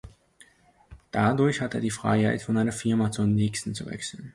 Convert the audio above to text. Dadurch hat er die Freiheit, von einer Firma zur nächsten zu wechseln.